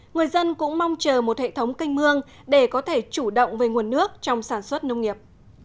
người dân cũng mong chờ một hệ thống canh mương để có thể chủ động về nguồn nước trong sản xuất nông nghiệp